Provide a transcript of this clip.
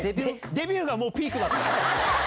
デビューがもうピークだったの？